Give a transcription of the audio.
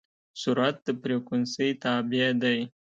سرعت د فریکونسي تابع دی.